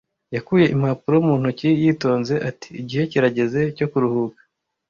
Yakuye impapuro mu ntoki yitonze ati: "Igihe kirageze cyo kuruhuka."